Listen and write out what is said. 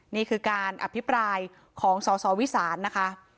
นี่คือการอภิปรายของสสวิสานนะคะ